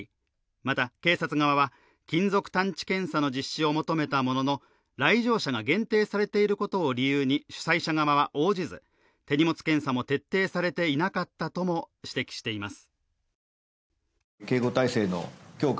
また、警察側は金属探知検査の実施を求めたものの来場者が限定されていることを理由に主催者側は応じず手荷物検査も徹底されていなかったとも指摘しています。